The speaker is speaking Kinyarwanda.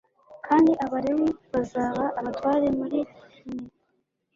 kandi Abalewi bazaba abatware muri mwe